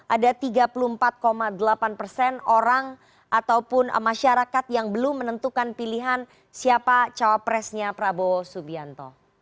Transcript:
ada tiga puluh empat delapan persen orang ataupun masyarakat yang belum menentukan pilihan siapa cawapresnya prabowo subianto